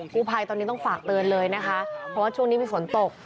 กู้ภัยตอนนี้ต้องฝากเตือนเลยนะคะเพราะว่าช่วงนี้มีฝนตก